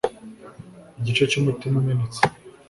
igice c'umutima umenetse